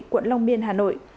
quận long biên hà nội